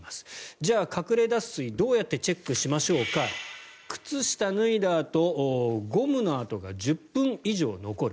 じゃあ隠れ脱水どうやってチェックしましょうか靴下を脱いだあとゴムの痕が１０分以上残る。